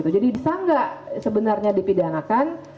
bisa nggak sebenarnya dipidanakan